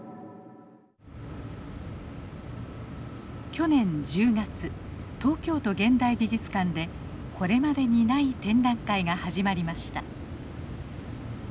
去年１０月東京都現代美術館でこれまでにない展覧会が始まりました。